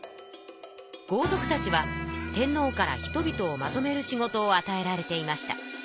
豪族たちは天皇から人びとをまとめる仕事をあたえられていました。